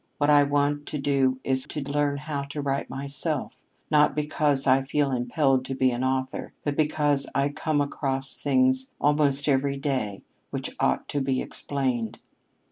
What I want to do is to learn how to write myself not because I feel impelled to be an author, but because I come across things almost every day which ought to be explained."